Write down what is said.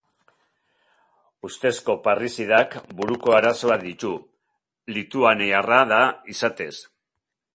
Ustezko parrizidak buruko arazoak ditu, lituaniarra da izatez.